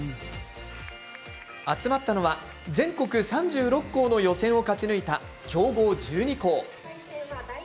集まったのは、全国３６校の予選を勝ち抜いた強豪１２校。